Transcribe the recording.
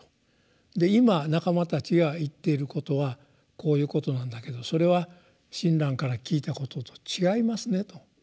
で「今仲間たちが言っていることはこういうことなんだけどそれは親鸞から聞いたことと違いますね」と。